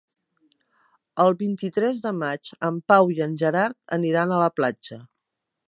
El vint-i-tres de maig en Pau i en Gerard aniran a la platja.